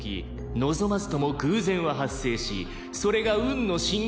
「望まずとも偶然は発生しそれが運の震源地となる」